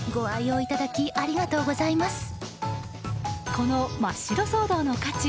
この真っ白騒動の渦中